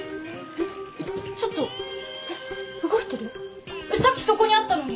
えっさっきそこにあったのに。